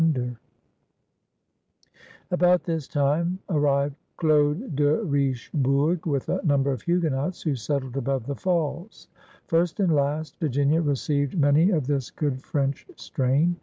d^* ALEXANDER SPOTSWOOD 219 About this time arrived Claude de Richebourg with a number of Huguenots who settled above the Falls. First and last, Virginia received many of this good French strain.